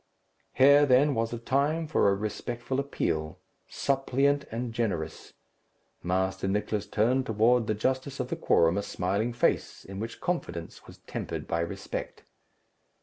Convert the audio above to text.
Here then was a time for a respectful appeal, suppliant and generous. Master Nicless turned toward the justice of the quorum a smiling face, in which confidence was tempered by respect.